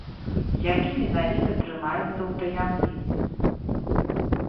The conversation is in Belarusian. Які менавіта, трымаецца ў таямніцы.